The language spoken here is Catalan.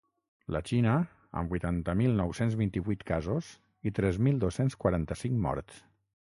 La Xina, amb vuitanta mil nou-cents vint-i-vuit casos i tres mil dos-cents quaranta-cinc morts.